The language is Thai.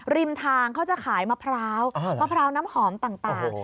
ริมทางเขาจะขายมะพร้าวมะพร้าวน้ำหอมต่าง